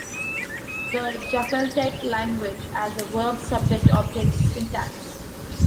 The Jakaltek language has a verb-subject-object syntax.